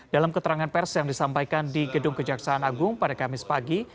dalam keterangan pers yang disampaikan di gedung kejaksaan agung pada kamis pagi